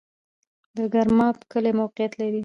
د ګرماب کلی موقعیت